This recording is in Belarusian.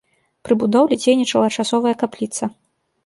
Пры будоўлі дзейнічала часовая капліца.